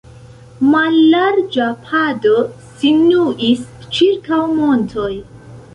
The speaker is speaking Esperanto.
Mallarĝa pado sinuis ĉirkaŭ montoj.